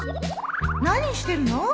何してるの？